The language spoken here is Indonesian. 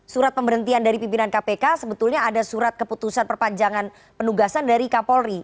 surat pemberhentian dari pimpinan kpk sebetulnya ada surat keputusan perpanjangan penugasan dari kapolri